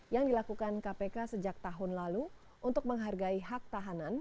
yang dilakukan kpk sejak tahun lalu untuk menghargai hak tahanan